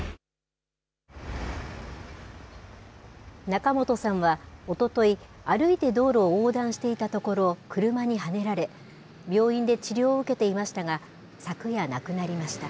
仲本さんは、おととい、歩いて道路を横断していたところ、車にはねられ、病院で治療を受けていましたが、昨夜、亡くなりました。